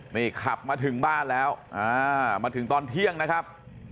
นี่ขับมาถึงบ้านแล้วมาถึงตอนเที่ยงนะครับ